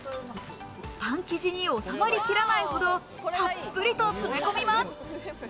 パン生地に収まりきらないほどたっぷりと詰め込みます。